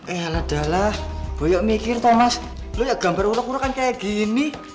eh ala dala boyok mikir mas lo gak gambar urak urakan kayak gini